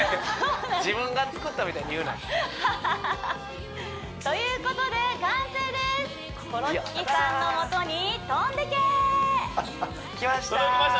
自分が作ったみたいに言うなということで完成ですきましたわあ届きました